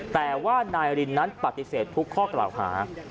แต่ว่านายรินนั้นปฏิเสธทุกข้อกล่าวหา